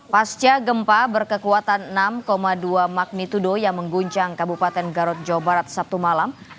pasca gempa berkekuatan enam dua magnitudo yang mengguncang kabupaten garut jawa barat sabtu malam